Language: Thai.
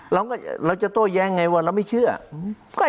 เราก็เราจะโต้แย้งไงว่าเราไม่เชื่ออืม